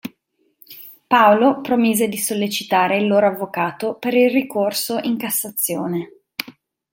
Paolo promise di sollecitare il loro avvocato per il ricorso in cassazione.